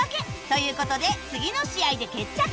という事で次の試合で決着！